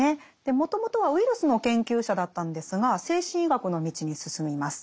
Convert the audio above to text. もともとはウイルスの研究者だったんですが精神医学の道に進みます。